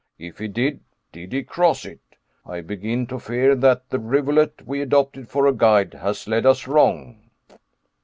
If he did, did he cross it? I begin to fear that the rivulet we adopted for a guide has led us wrong."